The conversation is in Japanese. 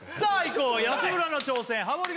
こう安村の挑戦ハモリ